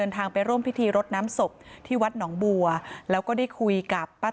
ทางไปร่วมพิธีรดน้ำศพที่วัดหนองบัวแล้วก็ได้คุยกับป้า